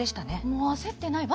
もう焦ってない。